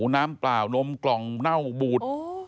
น้ำเปล่านมกล่องเน่าบูด